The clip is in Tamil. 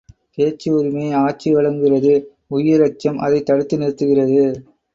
பேச்சுரிமை ஆட்சி வழங்குகிறது உயிர் அச்சம் அதைத் தடுத்து நிறுத்துகிறது.